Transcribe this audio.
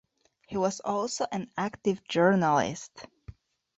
He was also an active journalist.